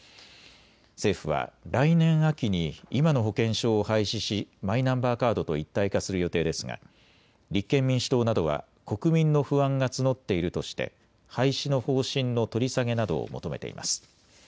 政府は来年秋に今の保険証を廃止しマイナンバーカードと一体化する予定ですが立憲民主党などは国民の不安が募っているとして廃止の方針の取り下げなどを求めています。